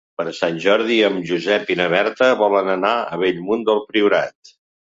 Per Sant Jordi en Josep i na Berta volen anar a Bellmunt del Priorat.